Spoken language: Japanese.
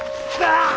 あっ！